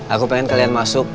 aku pengen kalian masuk